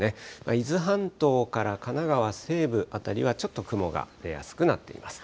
伊豆半島から神奈川西部辺りはちょっと雲が出やすくなっています。